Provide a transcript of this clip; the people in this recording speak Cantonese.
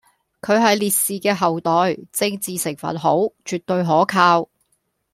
佢係烈士嘅後代，政治成份好，絕對可靠